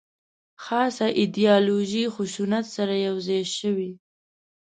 خاصه ایدیالوژي خشونت سره یو ځای شوې.